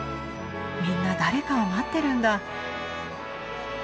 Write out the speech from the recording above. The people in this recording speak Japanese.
みんな誰かを待ってるんだ。